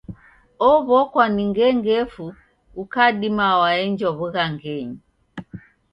Ow'okwa ni ngengefu ukadima waenjwa w'ughangenyi.